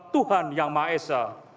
tuhan yang maesah